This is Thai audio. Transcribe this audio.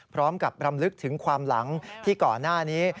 พร้อมกับรำลึกถึงความหลังที่ก่อนหน้านี้